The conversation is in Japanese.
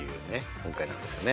音階なんですよね。